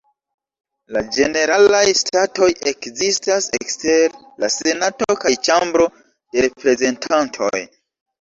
La Ĝeneralaj Statoj ekzistas ekster la Senato kaj Ĉambro de Reprezentantoj.